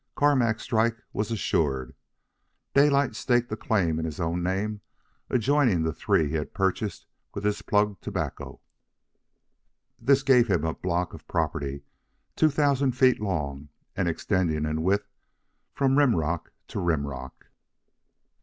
Carmack's strike was assured. Daylight staked a claim in his own name adjoining the three he had purchased with his plug tobacco. This gave him a block of property two thousand feet long and extending in width from rim rock to rim rock.